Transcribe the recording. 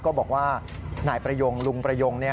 ก็บอกว่านายประยงลุงประยง